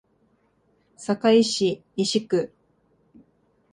堺市西区